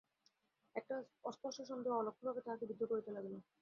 একটা অস্পষ্ট সন্দেহ অলক্ষ্যভাবে তাহাকে বিদ্ধ করিতে লাগিল।